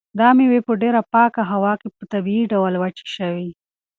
دا مېوې په ډېره پاکه هوا کې په طبیعي ډول وچې شوي.